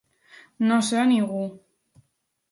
No ser ningú.